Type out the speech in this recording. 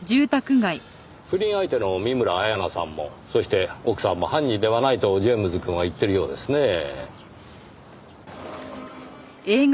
不倫相手の見村彩那さんもそして奥さんも犯人ではないとジェームズくんは言ってるようですねぇ。